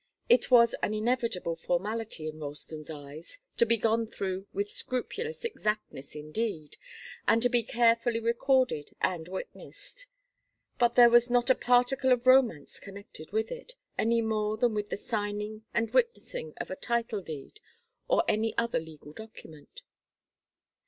It was an inevitable formality in Ralston's eyes, to be gone through with scrupulous exactness indeed, and to be carefully recorded and witnessed, but there was not a particle of romance connected with it, any more than with the signing and witnessing of a title deed or any other legal document.